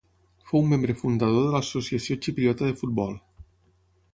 Fou membre fundador de l'Associació Xipriota de Futbol.